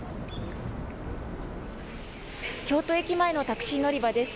京都駅前のタクシー乗り場です。